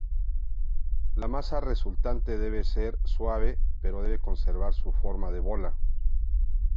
La masa resultante debe de ser suave, pero debe conservar su forma de bola.